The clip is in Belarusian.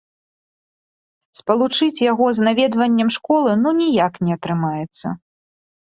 Спалучыць яго з наведваннем школы ну ніяк не атрымаецца.